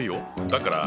だから。